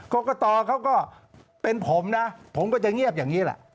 กรกตเขาก็เป็นผมนะผมก็จะเงียบอย่างนี้แหละ